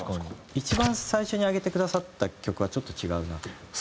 一番最初に上げてくださった曲はちょっと違う。